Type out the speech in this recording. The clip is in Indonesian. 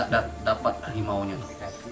dapat harimau itu